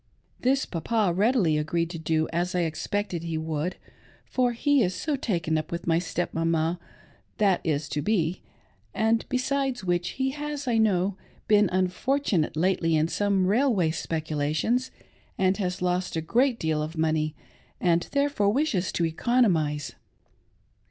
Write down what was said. This Papa readily agreed to do, as I expected he would, for he is so taken up with my step mama — that is to be — and besides which he has, I know, been un fortunate lately in some railway speculations, and has lost a great deal of money, and therefore wishes to economise.